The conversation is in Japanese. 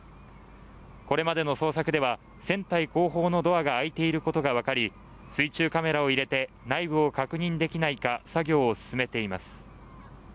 これまでの捜索では船体後方のドアが開いていることが分かり水中カメラを入れて内部を確認できないか、作業を進めています。